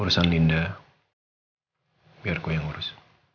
urusan linda biar gue yang urus